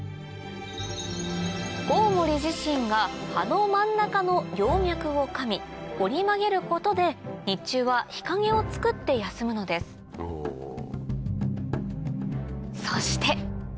コウモリ自身が葉の真ん中の葉脈をかみ折り曲げることで日中は日陰をつくって休むのですそして